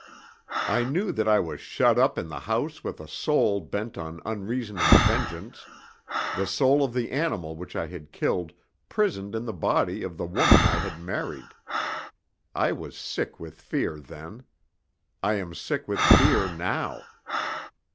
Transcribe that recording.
I knew that I was shut up in the house with a soul bent on unreasoning vengeance, the soul of the animal which I had killed prisoned in the body of the woman I had married. I was sick with fear then. I am sick with fear now.